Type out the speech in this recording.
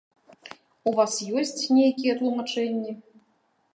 У вас ёсць нейкія тлумачэнні?